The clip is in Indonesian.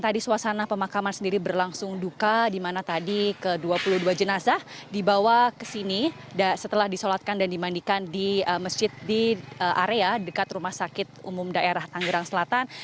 di mana tadi ke dua puluh dua jenazah dibawa ke sini setelah disolatkan dan dimandikan di masjid di area dekat rumah sakit umum daerah tanggerang selatan